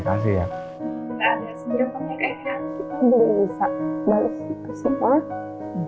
kita ada sendiri tapi kayaknya kita belum bisa balik ke sini semua